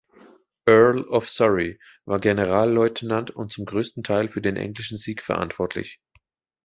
Earl of Surrey, war Generalleutnant und zum größten Teil für den englischen Sieg verantwortlich.